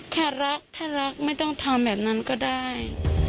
แค่รักถ้ารักไม่ต้องทำแบบนั้นก็ได้